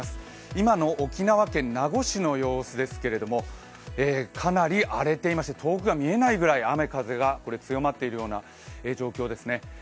今の沖縄県名護市の様子ですけども、かなり荒れていまして遠くが見えないぐらい雨風が強まっている状況ですね。